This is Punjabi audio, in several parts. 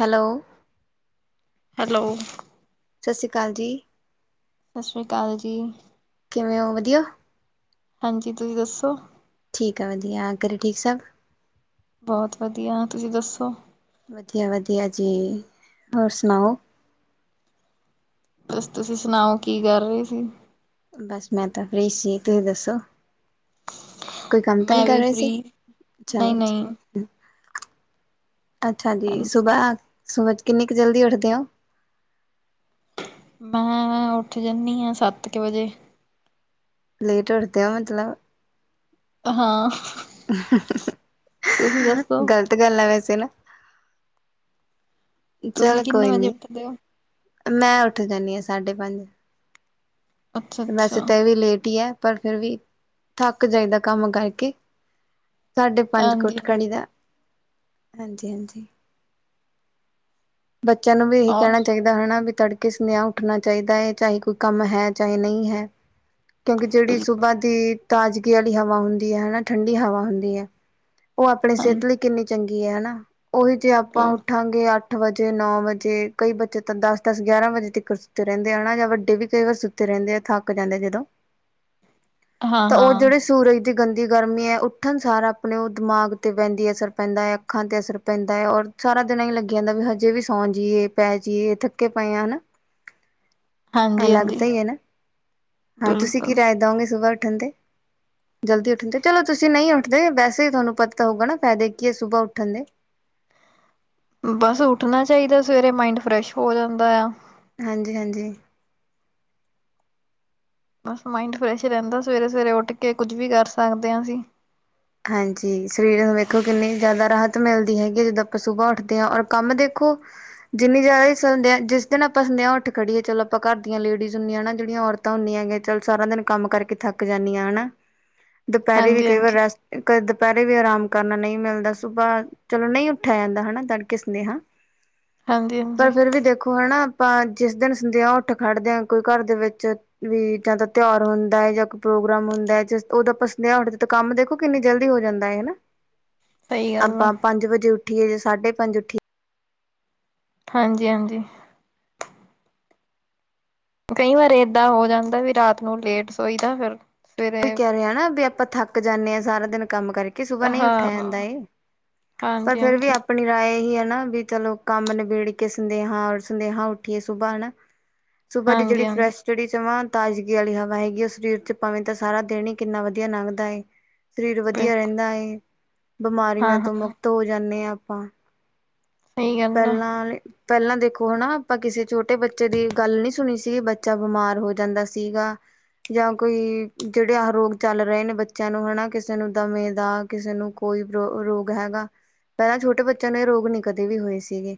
ਹੈਲੋ। ਹੈਲੋ। ਸਸ ਸੀ ਕਾਲ ਜੀ। ਸਸ ਸੀ ਅਕਾਲ ਜੀ। ਕਿਵੇਂ ਹੋ ਵਧੀਆ? ਹਾਂਜੀ, ਤੁਸੀ ਦੱਸੋ? ਠੀਕ ਆ ਵਧੀਆ ਘਰੇ ਠੀਕ ਸਭ ਬਹੁਤ ਵਧੀਆ ਤੁਸੀਂ ਦੱਸੋ? ਵਧੀਆ ਵਧੀਆ ਜੀ, ‌ਹੋਰ ਸੁਣਾਓ ਬਸ ਤੁਸੀਂ ਸੁਣਾਓ ਕੀ ਕਰ ਰਹੇ ਸੀ ਬਸ ਮੈਂ ਤਾਂ ਫ੍ਰੀ ਸੀ ਤੁਸੀਂ ਦੱਸੋ ਕੋਈ ਕੰਮ ਤਾਂ ਨਹੀਂ ਮੈਂ ਕਰ ਵੀ ਰਹੇ ਫ੍ਰੀ, ਸੀ, ਚਲੋ ਨਹੀਂ-ਨਹੀਂ ਜੀ ਅੱਛਾ ਜੀ ਹਾਂਜੀ। ਸੁਬਾਹ ਸੁਬ ਚ ਕਿੰਨੀ ਕ ਜਲਦੀ ਉੱਠਦੇ ਹੋ ਮੈਂ ਉੱਠ ਜਾਣੀ ਆ ਸੱਤ ਕ ਵਜੇ ਲੇਟ ਉੱਠਦੇ ਆ ਮਤਲਬ ਹਾਂ ਤੁਸੀਂ ਦੱਸੋ? ਗ਼ਲਤ ਗੱਲ ਆ ਵੈਸੇ ਨਾ ਤੁਸੀਂ ਚਲ ਕਿੰਨੇ ਕੋਈ ਵਜੇ ਨੀ ਉੱਠਦੇ ਹੋ? ਮੈਂ ਉੱਠ ਜਾਂਦੀ ਆ ਸਾਢੇ ਪੰਜ ਵੈਸੇ ਅੱਛਾ-ਅੱਛਾ, ਤਾਂ ਇਹ ਵੀ ਲੇਟ ਹੀ ਏ ਪਰ ਫਿਰ ਵੀ ਥੱਕ ਜਾਈਦਾ ਕੰਮ ਕਰਕੇ ਸਾਢੇ ਪੰਜ ਕੁ ਉੱਠ ਹਾਂਜੀ-ਹਾਂਜੀ ਖੜੀ ਦਾ, ਹਾਂਜੀ ਹਾਂਜੀ। ਬੱਚਿਆਂ ਨੂੰ ਵੀ ਇਹੀ ਔਰ ਕਹਿਣਾ ਚਾਹੀ ਜਿੱਦਾਂ ਹਨਾ ਵੀ ਤੜਕੇ ਸੁਨੇਹਾ ਉਠਣਾ ਚਾਹੀਦਾ ਐ, ਚਾਹੇ ਕੋਈ ਕੰਮ ਹੈ, ਚਾਹੇ ਨਹੀ ਹੈ। ਕਿਉਂਕਿ ਜਿਹੜੀ ਬਿਲਕੁਲ ਸੁਬਾਹ ਦੀ ਤਾਜ਼ਗੀ ਵਾਲੀ ਹਵਾ ਹੁੰਦੀ ਹੈ ਹਨਾ, ਠੰਡੀ ਹਵਾ ਹੁੰਦੀ ਐ। ਉਹ ਆਪਣੀ ਸਿਹਤ ਹਾਂਜੀ। ਲਈ ਕਿੰਨੀ ਚੰਗੀ ਐ ਹਨਾ, ਉਹੀ ਜੇ ਆਪਾਂ ਉਠਾਂਗੇ ਅੱ ਅੱਠ ਵਜੇ ਨੋ ਵਜੇ ਕਈ ਬੱਚੇ ਤਾਂ ਦਸ-ਦਸ ਗਿਆਰਾਂ ਵਜੇ ਤੱਕ ਸੁੱਤੇ ਰਹਿੰਦੇ ਆ, ਹਨਾ ਜਾਂ ਵੱਡੇ ਵੀ ਕਈ ਵਾਰ ਸੁੱਤੇ ਰਹਿੰਦੇ ਆ ਥੱਕ ਜਾਂਦੇ ਆ ਜਦੋਂ ਤਾਂ ਉਹ ਹਾਂ-ਹਾਂ, ਜਿਹੜੇ ਸੂਰਜ ਇੰਨੀ ਗੰਦੀ ਗਰਮੀ ਏ ਉੱਠਣ ਸਾਰਾ ਆਪਣੇ ਉਹ ਦਿਮਾਗ 'ਤੇ ਵਹਿੰਦੀ ਏ ਅਸਰ ਪੈਂਦਾ ਏ ਅੱਖਾਂ 'ਤੇ ਅਸਰ ਪੈਂਦਾ ਏ ਔਰ ਸਾਰਾ ਦਿਨ ਐਈ ਲੱਗੀ ਜਾਂਦਾ ਵੀ ਹਜੇ ਵੀ ਸੌਂ ਜੀਏ ਪੈ ਜੀਏ ਥੱਕੇ ਪਏ ਆ ਹਨਾ ਅਲੱਗ ਹਾਂਜੀ-ਹਾਂਜੀ ਤੋ ਹੀ ਹੈ ਨਾ ਹਾਂ ਤੁਸੀਂ ਕਿ ਬਿਲਕੁਲ। ਰਾਏ ਦਓਗੇ ਸੁਬਾਹ ਉੱਠਣ ਤੇ ਜਲਦੀ ਉੱਠਣ ਤੇ ਚਲੋ ਤੁਸੀਂ ਨਹੀਂ ਉੱਠਦੇ ਵੈਸੇ ਹੀ ਤੁਹਾਨੂੰ ਪਤਾ ਹੋਊਗਾ ਨਾ ਫਾਇਦੇ ਕੀ ਏ ਸੁਬਾਹ ਉੱਠਣ ਦੇ ਬਸ ਉੱਠਣਾ ਚਾਹੀਦਾ ਸਵੇਰੇ ਮਾਇੰਡ ਫਰੈਸ਼ ਹੋ ਜਾਂਦਾ ਏ ਆ ਹਾਂਜੀ, ਹਾਂਜੀ ਬਸ ਮਾਇੰਡ ਫਰੈਸ਼ ਰਹਿੰਦਾ ਸਵੇਰੇ ਸਵੇਰੇ ਉੱਠ ਕੇ ਕੁੱਝ ਵੀ ਕਰ ਸਕਦੇ ਆ ਅਸੀਂ ਹਾਂਜੀ ਸਰੀਰ ਨੂੰ ਵੇਖੋ ਕਿੰਨੀ ਜ਼ਿਆਦਾ ਰਾਹਤ ਮਿਲਦੀ ਹੈਗੀ ਹੈ ਜਦੋਂ ਆਪਾਂ ਸੁਬਾਹ ਉੱਠਦੇ ਆ ਔਰ ਕੰਮ ਦੇਖੋ ਜਿੰਨੀ ਜ਼ਿਆਦਾ ਹੀ ਸੰਦੇਹਾ ਜਿਸ ਦਿਨ ਆਪਾਂ ਸੰਦੇਹਾਂ ਉੱਠ ਖੜੀਏ ਚਲੋ ਆਪਾਂ ਘਰ ਦੀਆਂ ਲੇਡੀਜ਼ ਹੁੰਦੀਆਂ ਨਾ ਜਿਹੜੀਆਂ ਔਰਤਾਂ ਹੁੰਣਗੀਆ ਚੱਲ ਸਾਰਾ ਦਿਨ ਕੰਮ ਕਰਕੇ ਥੱਕ ਜਾਣੀਆਂ ਹਨਾ ਦੁਪਹਿਰੇ ਵੀ ਕਈ ਵਾਰ ਹਾਂਜੀ-ਹਾਂਜੀ, ਰੈਸਟ ਕਦੇ ਦੁਪਹਿਰੇ ਵੀ ਆਰਾਮ ਕਰਨਾ ਨਹੀਂ ਮਿਲਦਾ ਸੁਬਾਹ ਚਲੋ ਨਹੀਂ ਉੱਠਿਆ ਜਾਂਦਾ ਹਨਾ ਤੜਕੇ ਸਦੇਆ ਹਾਂਜੀ-ਹਾਂਜੀ ਪਰ ਫਿਰ ਵੀ ਦੇਖੋ ਹਨਾ ਆਪਾਂ ਜਿਸ ਦਿਨ ਸੰਦੇਹਾਂ ਉੱਠ ਖੜਦੇ ਆ ਕੋਈ ਘਰ ਦੇ ਵਿੱਚ ਵੀ ਜਾਂ ਤਿਉਹਾਰ ਹੁੰਦਾ ਏ ਜਾਂ ਕੋਈ ਪ੍ਰੋਗਰਾਮ ਹੁੰਦਾ ਏ ਜਿਸ ਉਹਦੋ ਆਪਾਂ ਸੰਦੇਆ ਉੱਠਦੇ ਤਾਂ ਕੰਮ ਦੇਖੋ ਕਿੰਨੀ ਜਲਦੀ ਹੋ ਜਾਂਦਾ ਏ ਨਾ ਸਹੀ ਗੱਲ ਆ। ਆਪਾਂ ਪੰਜ ਵਜੇ ਉੱਠੀਏ ਜਾਂ ਸਾਢੇ ਪੰਜ ਉੱਠੀਏ ਹਾਂਜੀ, ਹਾਂਜੀ ਕਈ ਵਾਰ ਏਦਾਂ ਹੋ ਜਾਂਦਾ ਵੀ ਰਾਤ ਨੂੰ ਲੇਟ ਸੋਈਦਾ ਫੇਰ ਤੁਹੀ ਕਹਿ ਰਹੇ ਨਾ ਵੀ ਆਪਾਂ ਥੱਕ ਜਾਣੇ ਆ ਸਾਰਾ ਦਿਨ ਕੰਮ ਕਰਕੇ ਕਿ ਸੁਬਾਹ ਨਹੀਂ ਹਾਂ, ਉੱਠਿਆ ਜਾਂਦਾ ਏ ਪਰ ਫਿਰ ਵੀ ਹਾਂਜੀ-ਹਾਂਜੀ, ਆਪ ਆਪਣੀ ਰਾਏ ਇਹ ਐ ਨਾ ਵੀ ਚਲੋ ਕੰਮ ਨਿਬੇੜ ਕੇ ਸੰਦੇਹਾਂ ਸੰਦੇਹਾਂ ਉੱਠੀਏ ਸੁਬਾਹ ਹਨਾ ਸੁਬਾਹ ਦੀ ਜਿਹੜੀ ਹਾਂਜੀ-ਹਾਂਜੀ ਫਰੈਸ਼ ਜਿਹੜੀ ਜਵਾਂ ਤਾਜ਼ਗੀ ਵਾਲੀ ਹਵਾ ਹੈਗੀ ਉਹ ਸਰੀਰ ਚ ਭਾਵੇਂ ਤਾਂ ਸਾਰਾ ਦਿਨ ਹੀ ਕਿੰਨਾ ਵਧੀਆ ਲੰਘਦਾ ਏ ਸਰੀਰ ਵਧੀਆ ਬਿਲਕੁਲ ਰਹਿੰਦਾ ਏ ਬਿਮਾਰੀਆਂ ਤੋਂ ਹਾਂ-ਹਾਂ ਮੁਕਤ ਹੋ ਜਾਂਦੇ ਆ ਆਪਾਂ ਸਹੀ ਗੱਲ ਆ ਪਹਿਲਾਂ ਪਹਿਲਾਂ ਦੇਖੋ ਹਨਾ ਆਪਾਂ ਕਿਸੇ ਛੋਟੇ ਬੱਚੇ ਦੀ ਗੱਲ ਨਹੀਂ ਸੁਣੀ ਸੀਗੀ ਬੱਚਾ ਬਿਮਾਰ ਹੋ ਜਾਂਦਾ ਸੀਗਾ ਜਾਂ ਕੋਈ ਜਿਹੜੇ ਆਹ ਰੋਗ ਚੱਲ ਰਹੇ ਨੇ ਬੱਚਿਆਂ ਨੂੰ ਹਨਾ ਕਿਸੇ ਨੂੰ ਦਮੇ ਦਾ ਕਿਸੇ ਨੂੰ ਕੋਈ ਰੋ ਰੋਗ ਹੈਗਾ ਪਹਿਲਾਂ ਛੋਟੇ ਬੱਚਿਆਂ ਨੂੰ ਇਹ ਰੋਗ ਨੀ ਕਦੇ ਵੀ ਹੋਏ ਸੀਗੇ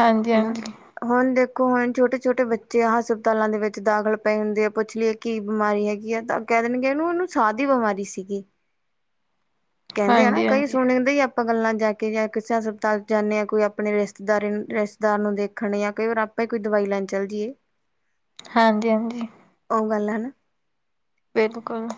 ਹਾਂਜੀ, ਹਨਾ ਹਾਂਜੀ ਹੁਣ ਦੇਖੋ ਹੁਣ ਛੋਟੇ ਛੋਟੇ ਬੱਚੇ ਹਸਪਤਾਲਾਂ ਦੇ ਵਿੱਚ ਦਾਖਲ ਪਏ ਹੁੰਦੇ ਆ ਪੁੱਛਲੀਏ ਕੀ ਬਿਮਾਰੀ ਹੈਗੀ ਆ ਤਾਂ ਕਹਿ ਦੇਣਗੇ ਇਹਨੂੰ ਇਹਨੂੰ ਸਾਹ ਦੀ ਬਿਮਾਰੀ ਸੀਗੀ। ਕਹਿੰਦੇ ਹਨ ਨਾ ਕਈ ਹਾਂਜੀ-ਹਾਂਜੀ, ਸੁਣਦੇ ਹੀ ਆਪਾਂ ਗੱਲਾਂ ਜਾ ਕੇ ਜਾਂ ਕਿਸੇ ਹਸਪਤਾਲ ਜਾਂਦੇ ਹਾਂ ਕੋਈ ਆਪਣੇ ਰਿਸ਼ਤੇਦਾਰੀ ਰਿਸ਼ਤੇਦਾਰ ਨੂੰ ਦੇਖਣ ਜਾਂ ਕਈ ਵਾਰ ਆਪਾਂ ਹੀ ਕੋਈ ਦਵਾਈ ਲੈਣ ਚੱਲ ਜਾਈਏ। ਹਾਂਜੀ ਹਾਂਜੀ। ਉਹ ਗੱਲ ਹੈ ਨਾ। ਬਿਲਕੁਲ।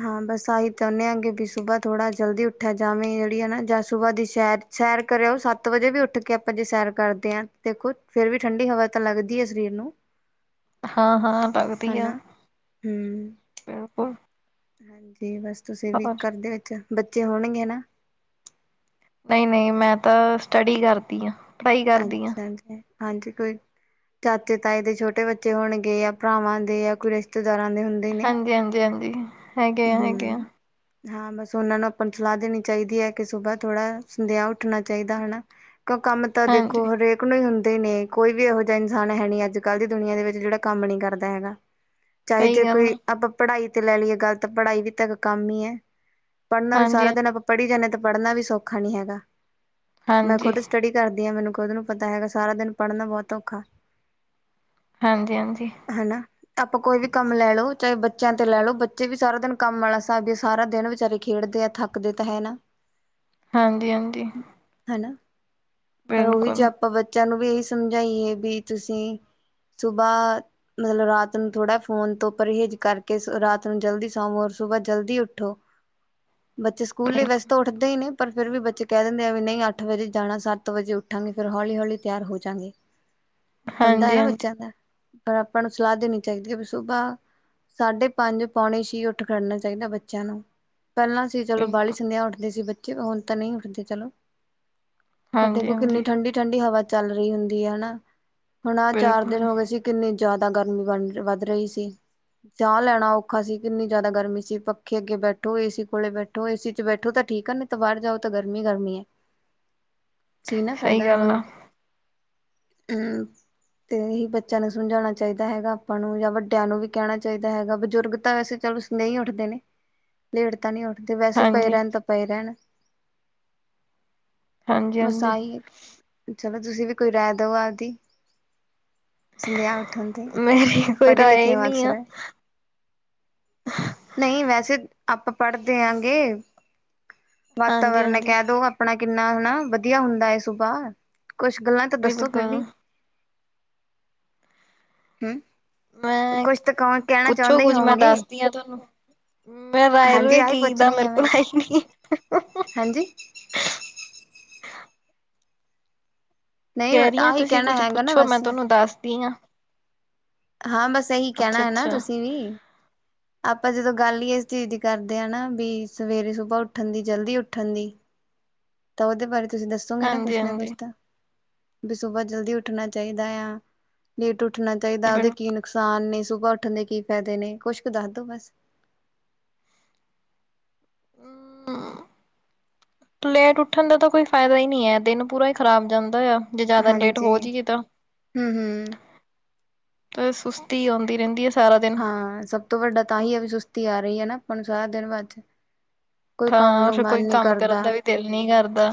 ਹਾਂ ਬਸ ਅਸੀ ਚਾਹੁੰਨੇ ਆਾਂਗੇ ਵੀ ਸੁਬਾਹ ਥੋੜਾ ਜਲਦੀ ਉੱਠਿਆ ਜਾਵੇ ਜਿਹੜੀ ਨਾ ਜਾਂ ਸੁਬਾਹ ਦੀ ਸੈਰ ਸੈਰ ਕਰਿਓ ਸੱਤ ਵਜੇ ਵੀ ਉੱਠ ਉੱਠ ਕੇ ਆਪਾਂ ਜੇ ਸੈਰ ਕਰਦੇ ਹਾਂ ਦੇਖੋ ਫੇਰ ਵੀ ਠੰਢਡੀ ਹਵਾ ਤਾਂ ਲੱਗਦੀ ਹੈ ਸਰੀਰ ਨੂੰ। ਹਾਂ ਹਾਂ ਲੱਗਦੀ ਆ। ਹਨਾ ਹਮ ਬਿਲਕੁਲ ਹਾਂਜੀ ਬਸ ਤੁਸੀਂ ਵੀ ਹੋਰ ਕਰਦੇ ਵਿੱਚ ਬੱਚੇ ਹੋਣਗੇ ਨਾ। ਨਹੀਂ ਨਹੀਂ ਮੈਂ ਤਾਂ ਸਟਡੀ ਕਰਦੀ ਹਾਂ। ਅੱਛਾ ਜੀ ਹਾਂਜੀ ਕੋਈ ਚਾਚੇ ਤਾਏ ਦੇ ਛੋਟੇ ਬੱਚੇ ਹੋਣਗੇ ਜਾਂ ਭਰਾਵਾਂ ਦੇ ਜਾਂ ਕੋਈ ਰਿਸ਼ਤੇਦਾਰਾਂ ਦੇ ਹੁੰ ਹਾਂਜੀ, ਹਾਂਜੀ, ਹਾਂਜੀ ਹੈਗੇ ਆ, ਹੈਗੇ ਆ। ਹੂੰ ਹਾਂ ਬਸ ਉਹਨਾਂ ਨੂੰ ਆਪਾਂ ਸਲਾਹ ਦੇਣੀ ਚਾਹੀਦੀ ਏ ਕਿ ਸੁਬਾਹ ਥੋੜ੍ਹਾ ਸੰਦੇਹਾਂ ਉੱਠਣਾ ਚਾਹੀਦਾ ਹਨਾ ਕਿਉਂ ਕੰਮ ਤਾਂ ਦੇਖੋ ਹਾਂਜੀ ਹਰੇਕ ਹੀ ਹੁੰਦੇ ਨੇ ਕੋਈ ਵੀ ਇਹੋ ਜਿਹਾ ਇਨਸਾਨ ਹੈ ਨੀ ਅੱਜ ਕੱਲ੍ਹ ਦੀ ਦੁਨੀਆਂ ਦੇ ਵਿੱਚ ਜਿਹੜਾ ਕੰਮ ਨੀ ਕਰਦਾ ਹੈਗਾ ਚਾਹੇ ਸਹੀ ਜੇ ਗੱਲ ਕੋਈ ਆ ਆਪਾਂ ਪੜ੍ਹਾਈ ਤੇ ਲੈ ਲਈਏ ਗੱਲ ਤਾਂ ਪੜ੍ਹਾਈ ਵੀ ਤੇ ਇੱਕ ਕੰਮ ਹੀ ਏ ਪੜ੍ਹਨਾ ਵੀ ਹਾਂਜੀ ਸਾਰਾ ਦਿਨ ਆਪਾਂ ਪੜ੍ਹੀ ਜਾਂਦੇ ਹਾਂ ਤੇ ਪੜ੍ਹਨਾ ਵੀ ਸੌਖਾ ਨਹੀਂੀ ਹੈਗਾ ਮੈਂ ਹਾਂਜੀ ਖੁਦ ਸਟੱਡੀ ਕਰਦੀ ਹਾਂ ਮੈਨੂੰ ਖੁਦ ਨੂੰ ਪਤਾ ਹੈਗਾ ਸਾਰਾ ਦਿਨ ਪੜ੍ਹਨਾ ਬਹੁਤ ਔਖਾ ਹਾਂਜੀ ਹਾਂਜੀ। ਹਨਾ ਆਪਾਂ ਕੋਈ ਵੀ ਕੰਮ ਲੈ ਲਓ ਚਾਹੇ ਬੱਚਿਆਂ ਤੇ ਲੈ ਲਓ। ੇ ਵੀ ਸਾਰਾ ਦਿਨ ਕੰਮ ਵਾਲਾ ਸਾ ਵੀ ਸਾਰਾ ਦਿਨ ਵਿਚਾਰੇ ਖੇਡਦੇ ਆ ਥੱਕਦੇ ਤਾਂ ਹੈ ਨਾ। ਹਾਂਜੀ ਹਾਂਜੀ। ਹਨਾ ਪਰ ਉਹੀ ਚ ਬਿਲਕੁਲ ਆਪਾਂ ਬੱਚਿਆਂ ਨੂੰ ਵੀ ਇਹੀ ਸਮਝਾਈਏ ਵੀ ਤੁਸੀਂ ਸੁਬਾਹ ਮਤਲਬ ਰਾਤ ਨੂੰ ਥੋੜਾ ਫੋਨ ਤੋਂ ਪਰਹੇਜ ਕਰਕੇ ਰਾਤ ਜਲਦੀ ਸਵੋ ਰ ਸੁਬਾਹ ਜਲਦੀ ਉੱਠੋ ਬੱਚੇ ਸਕੂਲੇ ਵੈਸੇ ਬਿਲਕੁਲ ਤਾਂ ਉੱਠਦੇ ਹੀ ਨੇ। ਪਰ ਫਿਰ ਵੀ ਬੱਚੇ ਕਹਿ ਦਿੰਦੇ ਆ ਵੀ ਨਹੀਂ ਅੱਠ ਵਜੇ ਜਾਣਾ ਸੱਤ ਵਜੇ ਉੱਠਾਂਗੇ ਫੇਿਰ ਹੌਲੀ ਹੌਲੀ ਤਿਆਰ ਹੋ ਜਾਂਗੇ। ਹੁੰਦਾ ਹੈ ਹਾਂਜੀ ਨਾ ਹਾਂਜੀ ਬੱਚਿਆਂ ਦਾ। ਪਰ ਆਪਾਂ ਨੂੰ ਸਲਾਹ ਦੇਣੀ ਚਾਹੀਦੀ ਹੈ ਵੀ ਸੁਬਾ ਸਾਢੇ ਪੰਜ [unintelligible] ਪਾਉਣੀ ਸੀ ਉੱਠ ਖੜਨਾ ਚਾਹੀਦਾ ਬੱਚਿਆਂ ਨੂੰ ਪਹਿਲਾਂ ਸੀ ਚਲੋ ਬਾਲੀ ਬਿਲਕੁਲ ਸੰਧਿਆ ਉੱਠਦੇ ਸੀ। ਹੁਣ ਤਾਂ ਨਹੀਂ ਉੱਠਦੇ ਚਲੋ ਤੁਹਾਡੇ ਹਾਂਜੀ ਕੋੋ ਕਿੰਨੀ ਹਾਂਜੀ ਠੰਡੀ ਠੰਢਡੀ ਹਵਾ ਚੱਲ ਰਹੀ ਹੁੰਦੀ ਹੈ ਹਨਾ ਹੁਣ ਆਹ ਚਾਰ ਦਿਨ ਬਿਲਕੁਲ ਹੋ ਗਏ ਸੀ। ਕਿੰਨੀ ਜ਼ਿਆਦਾ ਗਰਮੀ ਬਣ ਵੱਧ ਰਹੀ ਸੀ ਸਾਹ ਲੈਣਾ ਉ ਪਔੱਖਾ ਸੀ ਕਿੰਨੀ ਜ਼ਿਆਦਾ ਗਰਮੀ ਸੀ ਪੱਖੇ ਅੱਗੇ ਬੈਠੋ ਏਸੀ ਕੋਲੇ ਬੈਠੋ ਏਸੀ ਚ ਬੈਠੋ ਤਾਂ ਠੀਕ ਨਿ ਤਾਂ ਬਾਹਰ ਜਾਓ ਤਾਂ ਗਰਮੀ ਗਰਮੀ ਹੈ ਸੀ ਨਾ ਸਹੀ ਫਾਇਦਾ ਗੱਲ ਹੁਣ ਆ [unintelligible] ਤੇ ਹੀ ਬੱਚਿਆਂ ਨੂੰ ਸਮਝਾਉਣਾ ਚਾਹੀਦਾ ਹੈਗਾ ਆਪਾਂ ਨੂੰ ਜਾਂ ਵੱਡਿਆਂ ਨੂੰ ਵੀ ਕਹਿਣਾ ਚਾਹੀਦਾ ਹੈਗਾ ਬਜ਼ੁਰਗ ਤਾਂ ਵੈਸੇ ਚਲ ਨਹੀਂ ਉੱਠਦੇ ਨੇ ਲੇੜ ਤਾਂ ਨਹੀਂ ਉੱਠਦੇ ਵੈਸੇ ਪਏ ਹਾਂਜੀ ਰਹਿਣ ਤਾਂ ਪਰਨ ਹਾਂਜੀ ਹਾਂਜੀ ਵਸਾਈ ਚਲੋ ਤੁਸੀਂ ਵੀ ਕੋਈ ਰਹਿ ਦਿਵਾਤੀ ਸੰਧਿਆ ਉਠ ਤੇ ਮੇਰੀ ਕੋਈ ਪੜੇ ਰਾਏ ਲਿਖੇ ਹੀ ਨਹੀਂ ਆ ਵਾਸਰਾ। ਨਈ ਵੈਸੇ ਅਪਾਂ ਪੜਦੇਆਂਗੇ ਹਾਂਜੀ ਵਾਤਾਵਰਨ ਹਾਂਜੀ ਕੈ ਦੋ ਅਪਣਾ ਕਿੰਨਾ ਹੈਣਾ ਵਦੀਆ ਹੁੰਦਾ ਐ ਸੁਬਾਹ ਕੁਛ ਗੱਲਾਂ ਤੇ ਦੱਸੋ ਫਿਰ ਬਿਲਕੁਲ ਵੀ ਹੁ, ਮੈਂ ਕੁਛ ਤਾਂ ਕਣ ਕਹਿਣਾ ਪੁੱਛੋ ਚਾਹੁੰਦੇ ਕੁੱਝ ਹੋ। ਮੈਂ ਦੱਸਦੀ ਆ ਤੁਹਾਨੂੰ ਮੈਂ ਰਾਇ ਹਾਂਜੀ ਰਏ ਆਹੀ ਪੁੱਛ ਕੀਦਾ ਰਹੀ ਹਾਂ ਮੈਂ ਮੇਰੇ ਹੈਕੋ ਨੀ [inaudible] ਨਹੀਂ ਕਹਿ ਰਹੀ ਹਾਂ ਆਹੀ ਤੁਸੀਂ ਕਹਿਣਾ ਕੁੱਝ ਹੈਗਾ ਨਾ ਪੁੱਛੋ ਮੈਂ ਬਸ। ਤੁਹਾਨੂੰ ਦੱਸਦੀ ਹਾਂ। ਹਾਂ ਬਸ ਇਹੀ ਅੱਛਾ ਕਹਿਣਾ ਹੈ ਨਾ ਅੱਛਾ ਤੁਸੀਂ ਵੀ ਆਪਾਂ ਜਦੋਂ ਗੱਲ ਹੀ ਇਸ ਚੀਜ਼ ਦੀ ਕਰਦੇ ਹਾਂ ਨਾ ਵੀ ਸਵੇਰੇ ਸੁਬਾਹ ਉੱਠਣ ਦੀ ਜਲਦੀ ਉੱਠਣ ਦੀ ਤਾਂ ਉਹਦੇ ਬਾਰੇ ਤੁਸੀਂ ਦੱਸੋਗੇ ਨਾ ਕੁਛ ਹਾਂਜੀ ਨਾ ਹਾਂਜੀ ਕੁਛ ਤਾਂ ਵੀ ਸੁਬਾਹ ਜਲਦੀ ਉੱਠਣਾ ਚਾਹੀਦਾ ਆ ਲੇਟ ਉੱਠਣਾ ਚਾਹੀਦਾ ਉਹਦੇ ਕੀ ਨੁਕਸਾਨ ਨੇ ਸੁਬਾ ਉੱਠਣ ਦੇ ਕੀ ਫਾਇਦੇ ਨੇ ਕੁਛ ਕੁ ਦੱਸ ਦੋ ਬਸ [inaudible] ਪਰ ਲੇਟ ਉੱਠਣ ਦਾ ਤਾਂ ਕੋਈ ਫਾਇਦਾ ਹੀ ਨਹੀਂ ਹੈ ਦਿਨ ਪੂਰਾ ਹੀ ਖ਼ਰਾਬ ਜਾਂਦਾ ਆ ਜੇ ਜ਼ਿਆਦਾ ਲੇਟ ਹਾਂਜੀ ਹੋ ਜਾਈਏ ਤਾਂ ਹਮ ਹਮ ਅ ਸੁਸਤੀ ਆਉਂਦੀ ਰਹਿੰਦੀ ਹੈ ਸਾਰਾ ਦਿਨ ਹਾਂ ਸਭ ਤੋਂ ਵੱਡਾ ਤਾਂਹੀ ਹੈ ਵੀ ਸੁਸਤੀ ਆ ਰਹੀ ਹੈ ਨਾ ਆਪਾਂ ਨੂੰ ਸਾਰਾ ਦਿਨ ਬਾਅਦ ਚ ਕੋਈ ਕੰਮ ਹਾਂ ਨੂੰ ਫੇਰ ਕੋਈ ਮਨ ਨੀ ਕੰਮ ਕਰਨ ਕਰਦਾ ਦਾ ਵੀ ਦਿਲ ਨੀ ਕਰਦਾ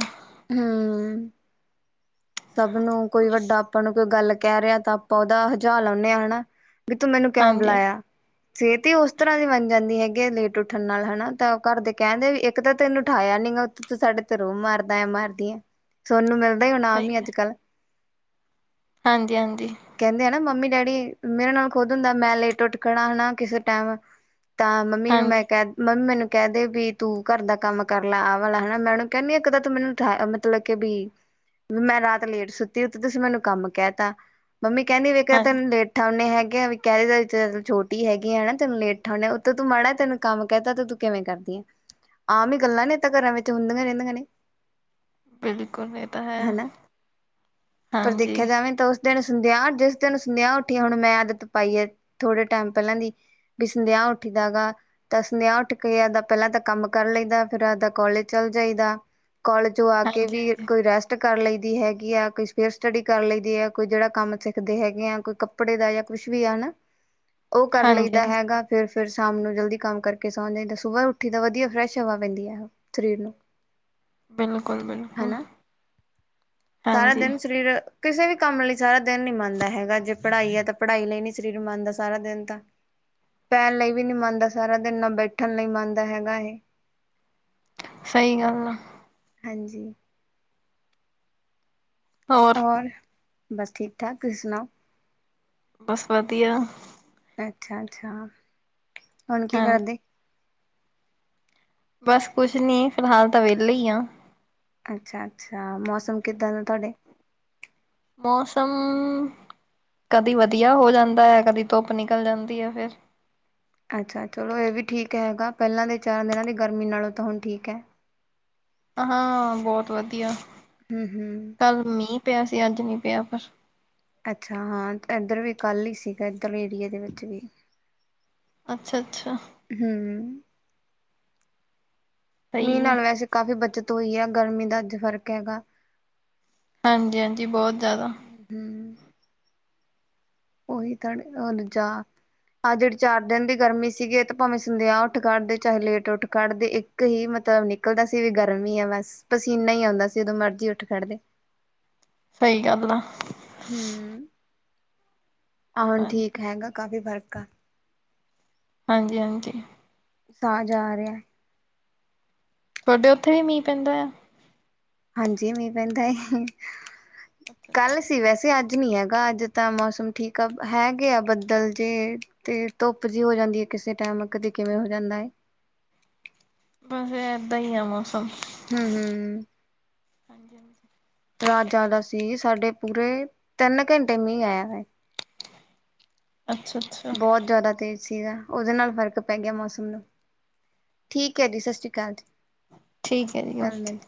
ਹਮ ਸਭ ਨੂੰ ਕੋਈ ਵੱਡਾ ਆਪਾਂ ਨੂੰ ਕੋਈ ਗੱਲ ਕਹਿ ਰਿਹਾ ਤਾਂ ਆਪਾਂ ਉਹਦਾ ਹਜਾ ਲਾਦੇ ਹਾਂ ਹਨਾ ਵੀ ਤੂੰ ਮੈਨੂੰ ਕਿਉਂ ਹਾਂਜੀ ਬੁਲਾਇਆ ਸਿਹਤ ਹੀ ਉਸ ਤਰ੍ਹਾਂ ਦੀ ਬਣ ਜਾਂਦੀ ਹੈਗੀ ਆ ਲੇਟ ਉੱਠਣ ਨਾਲ ਹਨਾ ਤਾਂ ਘਰ ਦੇ ਕਹਿਣਦੇ ਵੀ ਇੱਕ ਤਾਂ ਤੈਨੂੰ ਉਠਾਇਆ ਨੀ ਤੂੰ ਸਾਡੇ ਧਰੋਂ ਮਾਰਦਾ ਆ ਮਾਰਦੀ ਆ। ਤੁੋਨੂੰ ਮਿਲਦਾ ਉਹਨਾਮ ਹੀ ਅੱਜ ਕੱਲ ਹਾਂਜੀ ਹਾਂਜੀ। ਕਹਿੰਦੇ ਆ ਨਾ ਮੰਮੀ ਡੈਡੀ ਮੇਰੇ ਨਾਲ ਖੁਦ ਹੁੰਦਾ ਮੈਂ ਲੇਟ ਉੱਠ ਖਣਾ ਹੈ ਕਿਸੇ ਟਾਈਮ ਤਾਂ ਮੰਮੀ ਨੂੰ ਮੈਂ ਹਾਂਜੀ ਕਹਿ ਮੰਮੀ ਮੈਨੂੰ ਕਹਿ ਦੇ ਵੀ ਤੂੰ ਘਰ ਦਾ ਕੰਮ ਕਰ ਲੈ ਆ ਵਾਲਾ ਹਨਾ ਮੈਂ ਉਹਨੂੰ ਕਹਿੰਦੀ ਇੱਕ ਤਾਂ ਤੂੰ ਮੈਨੂੰ ਠ ਮਤਲਬ ਕੇ ਵੀ ਵੀ ਮੈਂ ਰਾਤ ਲੇਟ ਸੁੱਤੀ ਤੁਸੀਂ ਮੈਨੂੰ ਕੰਮ ਕਹਿ ਤਾ ਮੰਮੀ ਕਹਿੰਦੀ ਵੇਖਿਆ ਹਾਂਜੀ ਤੈਨੂੰ ਲੇਟ ਉਠਾਉਂਦੇ ਹੈਗੇ ਵੀ ਕਹਿੰਦੇ ਤ ਛੋਟੀ ਹੈਗੀ ਆ ਹੈ ਨਾ ਤੈਨ ਲੇ ਉਠਾਉਂਦੇ ਉੱਤੇ ਤੂੰ ਮਾੜਾ ਤੈਨ ਕੰਮ ਕਹਿ ਤਤਾ ਤੂੰ ਕਿਵੇਂ ਕਰਦੀਆਂ ਆਮ ਹੀ ਗੱਲਾਂ ਨੇ ਤਾਂ ਘਰਾਂ ਵਿੱਚ ਹੁੰਦੀਆਂ ਰਹਿੰਦੀਆਂ ਨੇ ਬਿਲਕੁਲ ਨਹੀਂ ਤਾਂ ਹੈ। ਹਨਾ ਪਰ ਹਾਂਜੀ ਦੇਖਿਆ ਜਾਵੇ ਤਾਂ ਉਸ ਤੈਨ ਸੰਦਿਆ ਜਿਸ ਤੈਨ ਸੰਦਿਆ ਉੱਠੀ ਹੁਣ ਮੈਂ ਆਦਤ ਪਾਈ ਹੈ ਥੋੜੇ ਟਾਈਮ ਪਹਿਲਾਂ ਦੀ ਵੀ ਸੰਦੇਹਾ ਉੱਠੀਦਾ ਗਾ ਤਾਂ ਸੁਨੇਹਾ ਉੱਠ ਕੇ ਆਪਦਾ ਪਹਿਲਾਂ ਤਾਂ ਕੰਮ ਕਰ ਲਈਦਾ ਫਿਰ ਆਪਦਾ ਕੋਲਜ ਚੱਲ ਜਾਈਦਾ ਕੋਲਜ ਚ ਆ ਕੇ ਹਾਂਜੀ ਵੀ ਹਾਂਜੀ ਕੋਈ ਰੈਸਟ ਕਰ ਲਈ ਦੀ ਹੈਗੀ ਆ ਕੋਈ ਫੇਰ ਸਟੱਡੀ ਕਰ ਲਈ ਦੀ ਆ ਕੋਈ ਜਿਹੜਾ ਕੰਮ ਸਿੱਖਦੇ ਹੈਗੇ ਆ ਕੋਈ ਕੱਪੜੇ ਦਾ ਜਾਂ ਕੁਛ ਵੀ ਆਾ ਉਹ ਕਰ ਹਾਂਜੀ ਲਈਦਾ ਹਾਂਜੀ ਹੈਗਾ ਫੇਰ ਫਿਰ ਸ਼ਾਮ ਨੂੰ ਜਲਦੀ ਕੰਮ ਕਰਕੇ ਸੌ ਜਾਂਦਾ ਸੁਬਾਹ ਉੱਠੀ ਤਾਂ ਵਧੀਆ ਫਰੈਸ਼ ਹਵਾ ਪੈਂਦੀ ਹੈ ਤ੍ਰ ਨੂੰ ਬਿਲਕੁਲ ਬਿਲਕੁਲ ਹਨਾ ਸਾਰਾ ਹਾਂਜੀ ਦਿਨ ਸਰੀਰ ਕਿਸੇ ਵੀ ਕੰਮ ਲਈ ਸਾਰਾ ਦਿਨ ਨੀ ਮੰਨਦਾ ਹੈਗਾ ਜੇ ਪੜ੍ਹਾਈ ਆ ਤਾਂ ਪੜ੍ਹਾਈ ਲਈ ਨੀ ਸਰੀਰ ਮੰਨਦਾ ਸਾਰਾ ਦਿਨ ਤਾਂ ਪੈਣ ਲਈ ਵੀ ਨੀ ਮੰਨਦਾ ਸਾਰਾ ਦਿਨ ਨਾਲ ਬੈਠਣ ਲਈ ਮੰਨਦਾ ਹੈਗਾ ਇਹ ਸਹੀ ਗੱਲ ਐ। ਹਾਂਜੀ। ਹੋਰ ਬਸ ਠੀਕ ਠਾਕ, ਤੁਸੀਂ ਸੁਨਾਓ। ਬਸ ਵਧੀਆ। ਅੱਛਾ-ਅੱਛਾ, ਹੁਨ ਕੀ ਹਾਂਜੀ ਕਰਦੇ? ਬਸ ਕੁਛ ਨੀ, ਫਿਲਹਾਲ ਤਾਂ ਵੇਲੇ ਈ ਆਂ। ਅੱਛਾ-ਅੱਛਾ, ਮੌਸਮ ਕਿੱਦਾਂ ਦਾ ਤੁਹਾਡੇ? ਮੌਸਮ ਕਦੀ ਵਧੀਆ ਹੋ ਜਾਂਦਾ ਐ, ਕਦੀ ਧੁੱਪ ਨਿਕਲ ਜਾਂਦੀ ਐ ਫੇਰ। ਅੱਛਾ ਚਲੋ ਇਹ ਵੀ ਠੀਕ ਹੈਗਾ, ਪਹਿਲਾਂ ਦੇ ਚਾਰਾਂ ਦਿਨਾਂ ਦੀ ਗਰਮੀ ਨਾਲੋਂ ਤਾਂ ਹੁਨ ਠੀਕ ਐ। ਹਾਂ ਬੋਤ ਵਧੀਆ। ਹੂੰ-ਹੂੰ। ਕੱਲ ਮੀਂਹ ਪਿਆ ਸੀ, ਅੱਜ ਨੀ ਪਿਆ ਪਰ। ਅੱਛਾ ਹਾਂ, ਏਧਰ ਵੀ ਕੱਲ ਈ ਸੀਗਾ, ਏਧਰ ਵੀ ਏਰੀਏ ਦੇ ਵਿੱਚ ਵੀ। ਅੱਛਾ-ਅੱਛਾ। ਹੂੰ। ਮੀਂਹ ਸਹੀ ਆ ਨਾਲ ਵੈਸੇ ਕਾਫ਼ੀ ਬੱਚਤ ਹੋਈ ਐ, ਗਰਮੀ ਦਾ ਅੱਜ ਫ਼ਰਕ ਹੈਗਾ। ਹਾਂਜੀ-ਹਾਂਜੀ, ਬੋਤ ਜਾਦਾ। ਹਮ [unintelligible] ਆਹ ਜਿਹੜੀ ਚਾਰ ਦਿਨ ਦੀ ਗਰਮੀ ਸੀਗੀ ਤੇ ਭਾਵੇਂ ਸੰਧਿਆ ਉੱਠ ਕੱਢਦੇ, ਚਾਹੇ ਲੇਟ ਉੱਠ ਕੱਢਦੇ ਇੱਕ ਹੀ ਮਤਲਬ ਨਿਕਲਦਾ ਸੀ ਵੀ ਗਰਮੀ ਆ ਬਸ, ਪਸੀਨਾ ਹੀ ਆਉਂਦਾ ਸੀ ਉਦੋਂ ਮਰਜ਼ੀ ਉੱਠ ਖੜਦੇ। ਸਹੀ ਗੱਲ ਆ। ਹੂੰ, ਆਹ ਹੁਨ ਠੀਕ ਹਾਂਜੀ ਹੈਗਾ, ਕਾਫੀ ਫਰਕ ਆ। ਹਾਂਜੀ-ਹਾਂਜੀ। ਸਾਾਹ ਜਾ ਆ ਰੇਯਾ ਐ। ਤੁਹਾਡੇ ਓਥੇ ਵੀ ਮੀਂਹ ਪੈਂਦਾ ਐ? ਹਾਂਜੀ ਮੀਂਹ ਪੈਂਦਾ ਐ, ਅੱਛਾ ਕੱਲ ਅੱਛਾ ਸੀ ਵੈਸੇ ਅੱਜ ਨਹੀਂ ਹੈਗਾ, ਅੱਜ ਤਾਂ ਮੌਸਮ ਠੀਕ ਆ, ਹੈਗੇ ਆ ਬੱਦਲ ਜੇ। ਤੇ ਧੁੱਪ ਜੀ ਹੋ ਜਾਂਦੀ ਐ ਕਿਸੇ ਟਾਈਮ, ਕਦੇ ਕਿਵੇਂ ਹੋ ਜਾਂਦਾ ਐ। ਬਸ ਫੇਰ ਏਦਾਂ ਹੀ ਐ ਮੌਸਮ। ਹੂੰ-ਹੂੰ। ਹਾਂਜੀ-ਹਾਂਜੀ। ਰਾਤ ਜਾਦਾ ਸੀ, ਸਾਡੇ ਪੂਰੇ ਤਿੰਨ ਘੰਟੇ ਮੀਂਹ ਆਇਆ ਵੇ। ਅੱਛਾ ਅੱਛਾ ਬੋਤ ਜ਼ਿਆਦਾ ਤੇਜ਼ ਸੀਗਾ, ਉਹਦੇ ਨਾਲ ਫ਼ਰਕ ਪੈ ਗਿਆ ਮੌਸਮ ਨੂੰ, ਠੀਕ ਹੈ ਜੀ ਸਤਿ ਸ਼੍ਰੀ ਅਕਾਲ ਜੀ। ਠੀਕ ਐ ਜੀ, ਕੱਲ ਓਕੇ। ਮਿਲ